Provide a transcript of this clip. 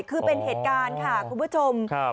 คือเป็นเหตุการณ์ค่ะคุณผู้ชม